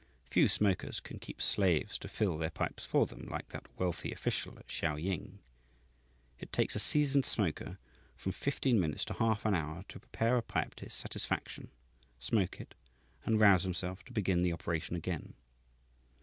Few smokers can keep slaves to fill their pipes for them, like that wealthy official at Shau ying. It takes a seasoned smoker from fifteen minutes to half an hour to prepare a pipe to his satisfaction, smoke it, and rouse himself to begin the operation again.